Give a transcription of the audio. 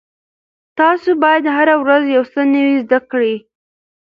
تاسو باید هره ورځ یو څه نوي زده کړئ.